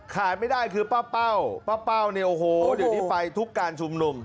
ขายไม่ได้คือป้าเป้าป้าเป้าเนี่ยโอ้โหเดี๋ยวนี้ไปทุกการชุมนุม